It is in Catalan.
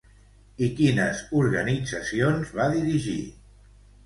I quines organitzacions va dirigir?